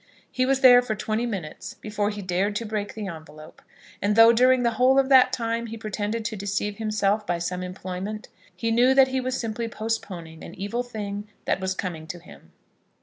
He was there for twenty minutes before he dared to break the envelope; and though during the whole of that time he pretended to deceive himself by some employment, he knew that he was simply postponing an evil thing that was coming to him.